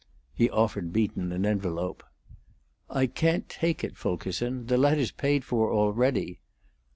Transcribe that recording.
He offered Beaton an envelope. "I can't take it, Fulkerson. The letter's paid for already."